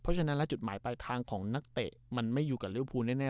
เพราะฉะนั้นแล้วจุดหมายปลายทางของนักเตะมันไม่อยู่กับริวภูแน่